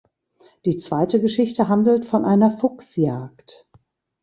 Die zweite Geschichte handelt von einer Fuchsjagd.